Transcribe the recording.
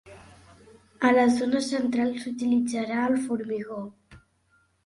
A la zona central s'utilitzà el formigó.